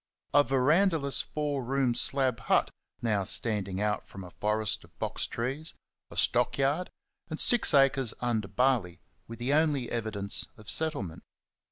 A verandahless four roomed slab hut now standing out from a forest of box trees, a stock yard, and six acres under barley were the only evidence of settlement.